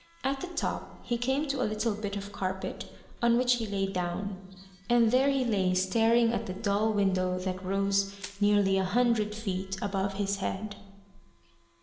At the top he came to a little bit of carpet, on which he lay down; and there he lay staring at the dull window that rose nearly a hundred feet above his head.